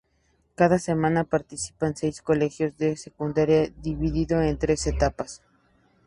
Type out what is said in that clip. Cada semana participan seis colegios de secundaria divido en tres etapas.